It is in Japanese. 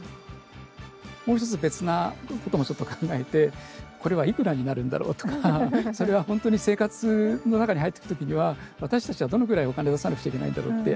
もう１つ、別なこともちょっと考えてこれはいくらになるんだろうとかそれは本当に生活の中に入ってくるときには私たちはどのくらいお金を落とさなくちゃいけないんだろうって。